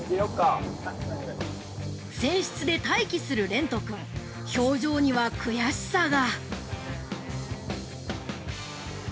船室で待機する蓮人君、表情には悔しさが。